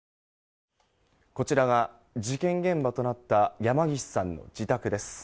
こちらは事件現場となった山岸さんの自宅です。